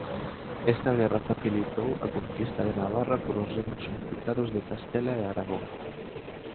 Esta guerra facilitou a Conquista de Navarra polos reinos unificados de Castela e Aragón.